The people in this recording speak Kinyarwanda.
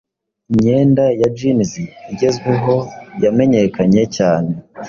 imyenda ya jeans igezweho yamenyekanye cyane